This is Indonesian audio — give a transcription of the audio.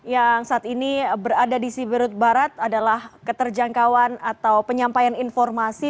yang saat ini berada di siberut barat adalah keterjangkauan atau penyampaian informasi